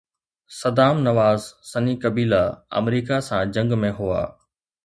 صدام نواز سني قبيلا آمريڪا سان جنگ ۾ هئا